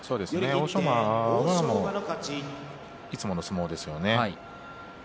欧勝馬はいつもの相撲でしたね。